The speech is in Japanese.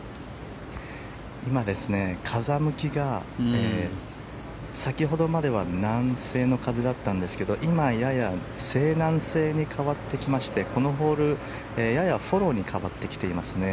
今、風向きが先ほどまでは南西の風だったんですけどやや西南西に変わってきましてこのホール、ややフォローに変わってきていますね。